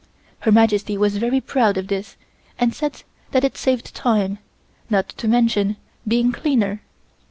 Her Majesty was very proud of this and said that it saved time, not to mention being cleaner.